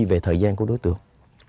về thời gian của đối tượng